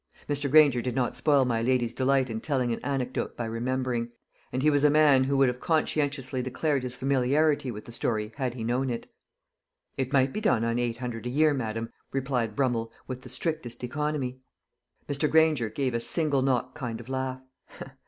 Mr. Granger did not spoil my lady's delight in telling an anecdote by remembering; and he was a man who would have conscientiously declared his familiarity with the story, had he known it. "'It might be done on eight hundred a year, madam,' replied Brummel, 'with the strictest economy.'" Mr. Granger gave a single knock kind of laugh.